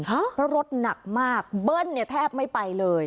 เพราะรถหนักมากเบิ้ลเนี่ยแทบไม่ไปเลย